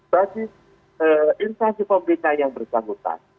bagi instansi pemerintah yang bersangkutan